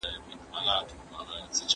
زه هره ورځ د کتابتون کتابونه لوستل کوم!؟